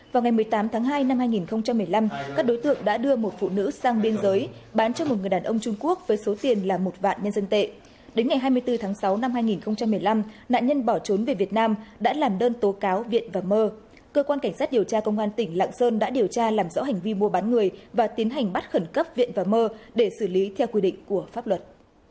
vào ngày một mươi tám tháng hai năm hai nghìn một mươi năm các đối tượng đã đưa một phụ nữ sang biên giới bán cho một người đàn ông trung quốc với số tiền là một vạn nhân dân tệ đến ngày hai mươi bốn tháng sáu năm hai nghìn một mươi năm nạn nhân bỏ trốn về việt nam đã làm đơn tố cáo viện và mơ cơ quan cảnh sát điều tra công an tỉnh lạng sơn đã điều tra làm rõ hành vi mua bán người và tiến hành bắt khẩn cấp viện và mơ để xử lý theo quy định của pháp luật